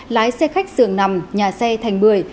lái xe khách sường nằm nhà xe thành bưởi